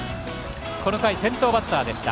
この回先頭バッターでした。